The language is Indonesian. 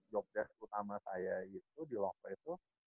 jobdesk utama saya itu di waktu itu